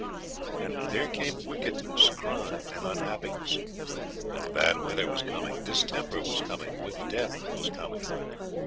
And there came wickedness, crime, and unhappiness. And bad weather was coming, distemper was coming, with death was coming.